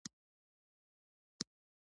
د ځمکې تودوخه تر اووه درجو پورته لاړه.